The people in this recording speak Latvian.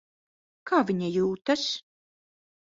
Kā viņa jūtas?